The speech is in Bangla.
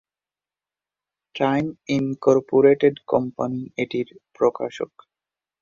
টাইম ইনকর্পোরেটেড কোম্পানি এটির প্রকাশক।